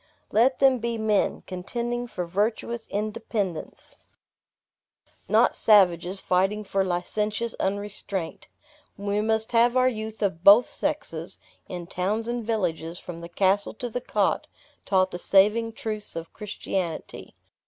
Let them be men, contending for virtuous independence; not savages, fighting for licentious unrestraint. We must have our youth of both sexes, in towns and villages, from the castle to the cot, taught the saving truths of Christianity.